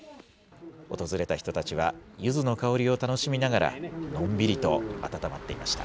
訪れた人たちは、ゆずの香りを楽しみながら、のんびりと温まっていました。